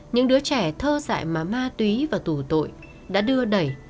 những đứa trẻ thơ dạy mà ma túy và tù tội đã đưa đẩy